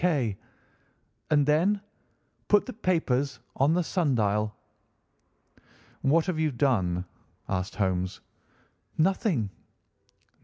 K.'; and then 'Put the papers on the sundial.'" "What have you done?" asked Holmes. "Nothing."